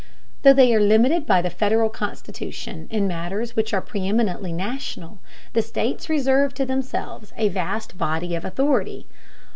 Though they are limited by the Federal Constitution in matters which are preeminently national, the states reserve to themselves a vast body of authority.